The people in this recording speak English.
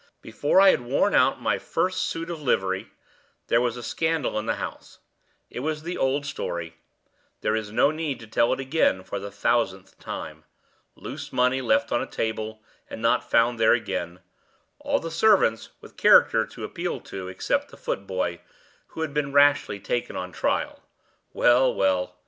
Before I had worn out my first suit of livery, there was a scandal in the house. It was the old story; there is no need to tell it over again for the thousandth time. Loose money left on a table, and not found there again; all the servants with characters to appeal to except the foot boy, who had been rashly taken on trial. Well! well!